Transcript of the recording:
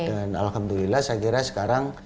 dan alhamdulillah saya kira sekarang